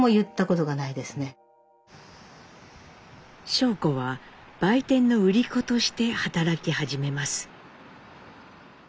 尚子は売店の売り子として働き始めます。